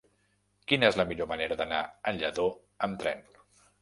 Quina és la millor manera d'anar a Lladó amb tren?